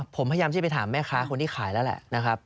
ผมพยายามที่จะไปถามแม่ค้าคนที่ขายแล้วแหละนะครับ